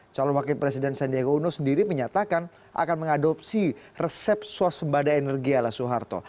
calon wakil presiden sandiaga uno sendiri menyatakan akan mengadopsi resep swasembada energi ala soeharto